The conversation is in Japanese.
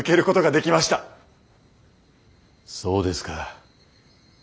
そうですか。